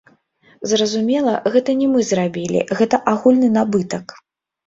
Зразумела, гэта не мы зрабілі, гэта агульны набытак.